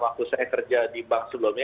waktu saya kerja di bank sebelumnya